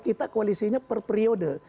kita koalisinya per periode